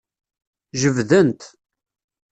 Jebden-t.